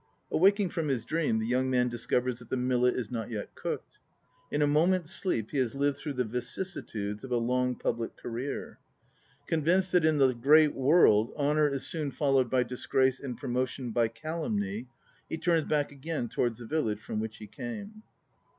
Awaking from his dream, the young man discovers that the millet is not yet cooked. In a moment's sleep he has lived through the vicissitudes of a long public career. Convinced that in the great world "honour is soon followed by dis grace, and promotion by calumny," he turns back again towards the village from which he came.